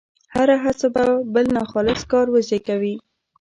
هره هڅه به بل ناخالص کار وزېږوي.